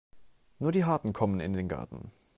Nur die Harten kommen in den Garten.